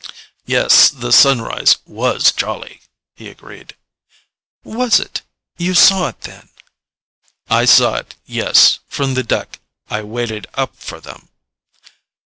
"Yes: the sunrise WAS jolly," he agreed. "Was it? You saw it, then?" "I saw it, yes; from the deck. I waited up for them."